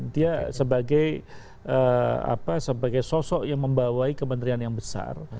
dia sebagai sosok yang membawai kementerian yang besar